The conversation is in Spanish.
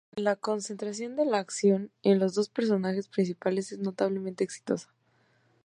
La concentración de la acción en los dos personajes principales es notablemente exitosa.